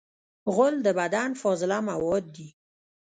غول د بدن فاضله مواد دي.